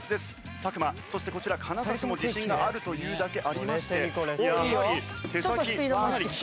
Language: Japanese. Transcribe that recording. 作間そしてこちら金指も自信があると言うだけありましてやはり手先かなり器用です。